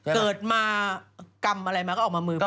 เกิดมากรรมอะไรมาก็ออกมามือเปล่า